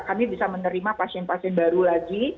kami bisa menerima pasien pasien baru lagi